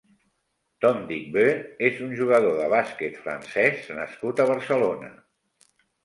Tom Digbeu és un jugador de bàsquet francès nascut a Barcelona.